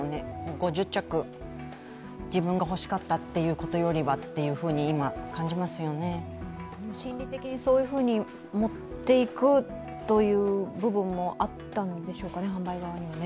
５０着、自分が欲しかったということよりは心理的にそういうふうに持っていくという部分もあったんでしょうかね、販売側にはね。